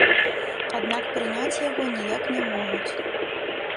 Аднак прыняць яго ніяк не могуць.